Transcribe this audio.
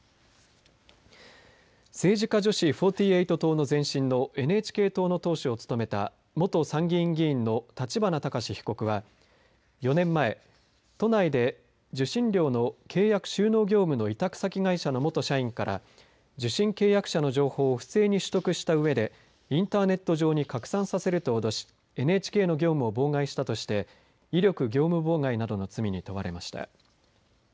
政治家女子４８党の前身のＮＨＫ党の党首を務めた元参議院議員の立花孝志被告は、４年前、都内で受信料の契約・収納業務の委託先会社の元社員から、受信契約者の情報を不正に取得したうえで、インターネット上に拡散させると脅し、ＮＨＫの業務を妨害したとして、威力業務妨害などの罪に問われました。